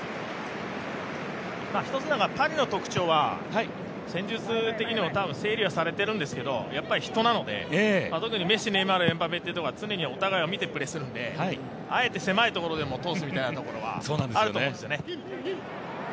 パリの特徴は戦術的にも整理はされてるんですけどやっぱり人なので、特にネイマールメッシ、エムバペは常にお互いを見てプレーしてるので、あえて狭いところでも通すみたいなところはあると思うんです。